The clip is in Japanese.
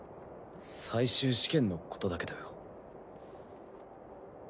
最終試験のことだけどよ。